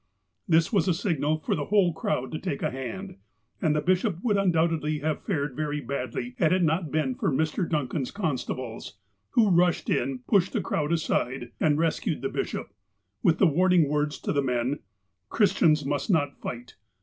This was a signal for the whole crowd to take a hand, and the bishop would undoubtedly have fared very badly had it not been for Mr. Duncan's constables, who rushed in, pushed the crowd aside, and rescued the bishop, with the warning words to the men :" Christians must not fight.